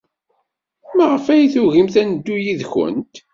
Maɣef ay tugimt ad neddu yid-went?